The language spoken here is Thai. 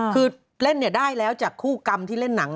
คือเล่นได้แล้วจากคู่กรรมที่เล่นหนัง